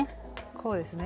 こうですね。